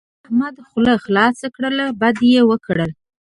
احمد خوله خلاصه کړه؛ بد يې وکړل.